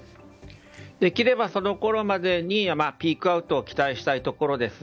できれば、そのころまでにピークアウトを期待したいところです。